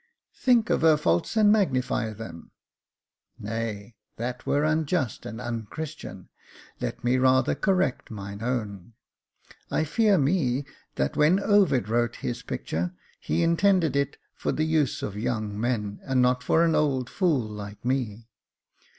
' Think of her faults and magnfy them,^ — nay, that were unjust and unchristian. Let me rather correct mine own. I fear me, that when Ovid wrote his picture, he intended it for the use of young men, and not for an old fool like me.